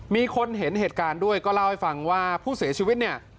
มีคนเห็นเหตุการณ์ด้วยก็เล่าให้ฟังว่าผู้เสียชีวิตเนี่ย